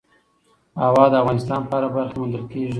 هوا د افغانستان په هره برخه کې موندل کېږي.